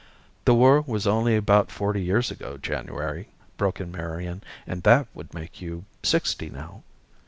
"The war was only about forty years ago, January," broke in Marian, "and that would make you sixty now."